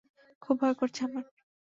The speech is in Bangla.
খুব ভয় করে আমার!